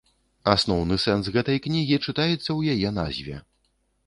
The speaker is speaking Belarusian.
Асноўны сэнс гэтай кнігі чытаецца ў яе назве.